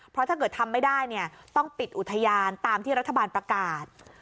เพราะถ้าเกิดทำไม่ได้เนี่ยต้องปิดอุทยานตามที่รัฐบาลประกาศ